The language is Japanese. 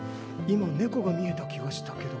今猫が見えた気がしたけど。